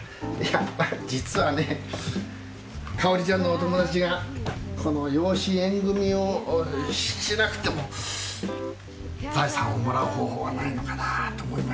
実はね香織ちゃんのお友達がこの養子縁組みをしなくても財産をもらう方法はないのかなと思いましてね。